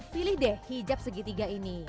pilih deh hijab segitiga ini